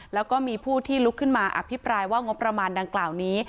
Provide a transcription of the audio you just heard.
แล้วก็มีผู้ที่ลุกขึ้นมาอภิปรายว่างบประมาณดังกล่าวนี้